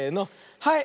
はい。